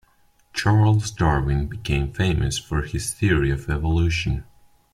Charles Darwin became famous for his theory of evolution.